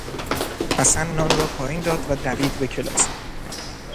حسن نان را پایین داد و دوید به کلاس.